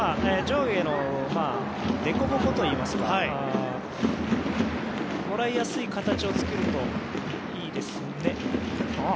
上下のデコボコといいますかもらいやすい形を作るといいですね。